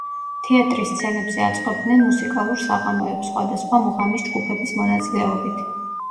თეატრის სცენებზე აწყობდნენ მუსიკალურ საღამოებს სხვადასხვა მუღამის ჯგუფების მონაწილეობით.